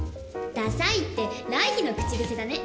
ダサいって来緋の口癖だね。